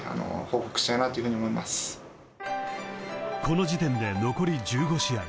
［この時点で残り１５試合］